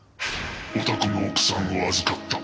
「お宅の奥さんを預かった」